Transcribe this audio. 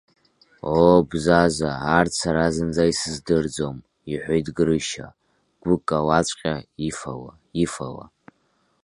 Оо, Бзаза, арҭ сара зынӡа исыздырӡом, – иҳәеит Грышьа, гәыкалаҵәҟьа, ифала, ифала.